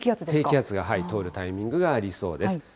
低気圧が通るタイミングがありそうです。